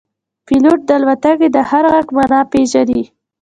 پیلوټ د الوتکې د هر غږ معنا پېژني.